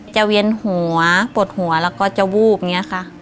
เวียนหัวปวดหัวแล้วก็จะวูบอย่างนี้ค่ะ